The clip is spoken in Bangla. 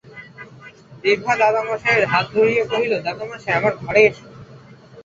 বিভা দাদামহাশয়ের হাত ধরিয়া কহিল, দাদামহাশয়, আমার ঘরে এস।